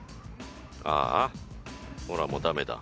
あーあほらもうダメだ・